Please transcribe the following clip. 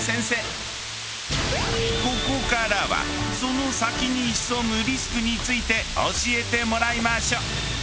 ここからはその先に潜むリスクについて教えてもらいましょう！